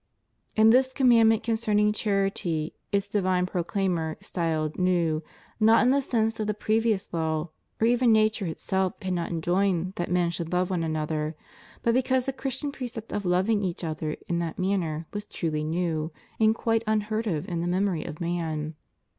^ And this commandment concerning charity its divine proclaimer styled new, not in the sense that a previous law, or even nature itself, had not enjoined that men should love one another, but because the Christian precept of loving each other in that manner was truly new, and quite unheard of in the mem ory of man.